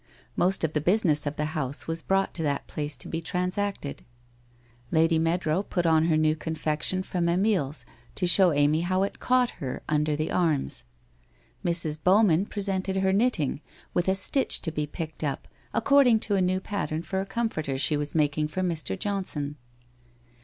Most of the business of the house was brought to that place to be transacted. Lady Meadrow put on her new confection from Emil's to show Amy how it c caught ' her under the arms. Mrs. Bowman presented her knitting with a stitch to be picked up according to a new pattern for a comforter she was making for Mr. Johnson.